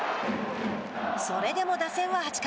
それでも打線は８回。